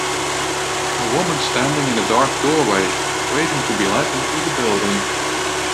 A woman standing in a dark doorway, waiting to be let into the building.